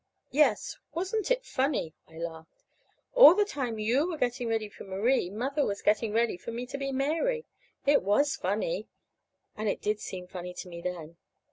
"Yes. Wasn't it funny?" I laughed. "All the time you were getting ready for Marie, Mother was getting me ready to be Mary. It was funny!" And it did seem funny to me then.